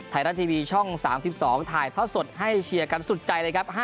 ไทยรัฐทีวีช่อง๓๒ถ่ายทอดสดให้เชียร์กันสุดใจเลยครับ